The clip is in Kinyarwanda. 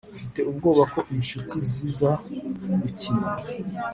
mfite ubwoba ko inshuti ziza gukina.